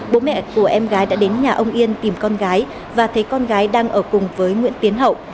bố mẹ của em gái đã đến nhà ông yên tìm con gái và thấy con gái đang ở cùng với nguyễn tiến hậu